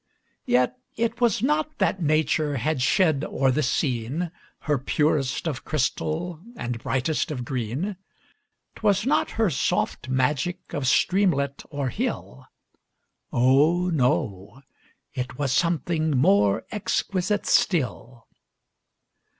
Yet it was not that nature had shed o'er the scene Her purest of crystal and brightest of green; 'Twas not her soft magic of streamlet or hill, Oh! no, it was something more exquisite still.